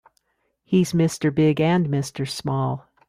He's Mr. Big and Mr. Small.